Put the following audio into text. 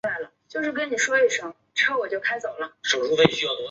阿迦汗大学是一座位于巴基斯坦卡拉奇的私立研究型大学。